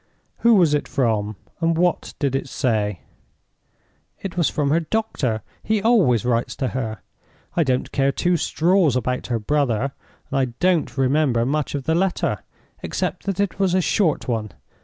"Who was it from? and what did it say?" "It was from the doctor—he always writes to her. I don't care two straws about her brother, and I don't remember much of the letter, except that it was a short one.